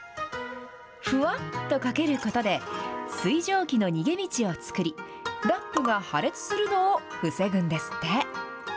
ふわっとかけることで、水蒸気の逃げ道を作り、ラップが破裂するのを防ぐんですって。